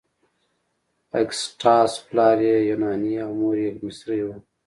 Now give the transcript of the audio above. اګسټاس پلار یې یوناني او مور یې مصري وه.